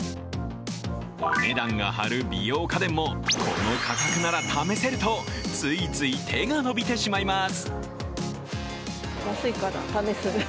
お値段が張る美容家電もこの価格なら試せると、ついつい手が伸びてしまいます。